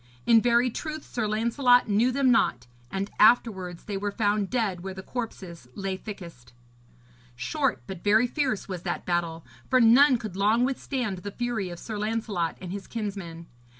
In very truth Sir Lancelot knew them not; and afterwards they were found dead where the corpses lay thickest. Short but very fierce was that battle, for none could long withstand the fury of Sir Lancelot and his kinsmen.